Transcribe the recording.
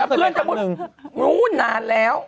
เพื่อนจะบอกรู้นานแล้ว